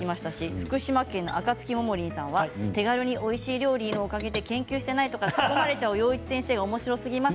福島県の方からは、手軽においしい料理のおかげで研究していないとかつっこまれよう一先生おもしろすぎます。